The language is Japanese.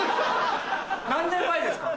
何年前ですか？